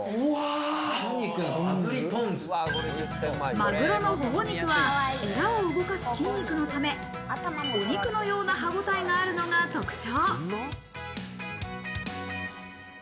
マグロのほほ肉はエラを動かす筋肉のため、お肉のような歯ごたえがあるのが特徴。